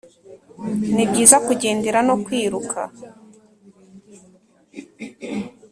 nibyiza kugendera no kwiruka,